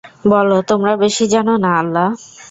বল, তোমরা বেশি জান, না আল্লাহ্?